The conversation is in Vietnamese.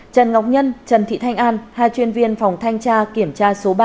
trần ngọc nhân trần thị thanh an hai chuyên viên phòng thanh tra kiểm tra số ba